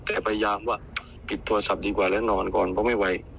แต่พยายามว่าปิดโทรศัพท์ดีกว่าแล้วนอนก่อนเพราะไม่ไหว